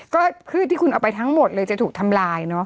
ก็พืชที่คุณเอาไปทั้งหมดเลยจะถูกทำลายเนอะ